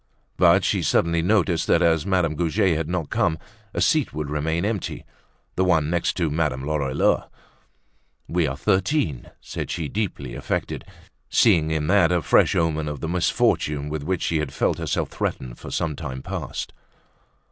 But she suddenly noticed that, as Madame Goujet had not come, a seat would remain empty—the one next to Madame Lorilleux. "We are thirteen!" said she, deeply affected, seeing in that a fresh omen of the misfortune with which she had felt herself threatened for some time past.